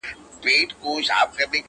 ډېر الله پر زړه باندي دي شـپـه نـه ده~